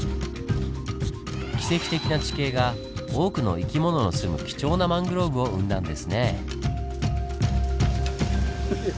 奇跡的な地形が多くの生き物の住む貴重なマングローブを生んだんですね。